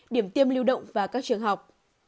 điểm tiêm lưu động và các trường học